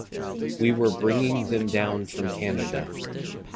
We were bringing them down from Canada.